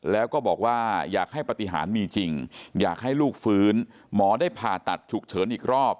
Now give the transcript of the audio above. แล้วก็บอกว่าอยากให้ปฏิหารมีจริงอยากให้ลูกฟื้นหมอได้ผ่าตัดฉุกเฉินอีกรอบ